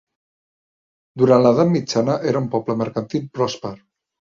Durant l'edat mitjana era un poble mercantil pròsper.